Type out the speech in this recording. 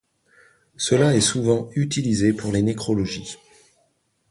Cela est souvent utilisé pour les nécrologies.